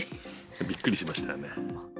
びっくりしましたよね。